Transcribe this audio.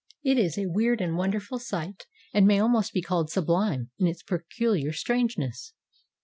It is a weird and wonderful sight, and may almost be called sublime in its pecuUar strange ness.